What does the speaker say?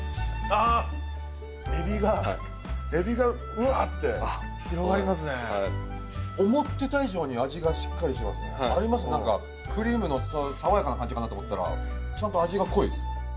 ああーエビがはいエビがうわーって広がりますね思ってた以上に味がしっかりしてますねありますなんかクリームの爽やかな感じかなと思ったらちゃんと味が濃いです